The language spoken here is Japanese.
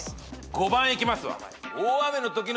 ５番いきますわ。